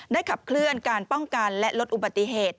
ขับเคลื่อนการป้องกันและลดอุบัติเหตุ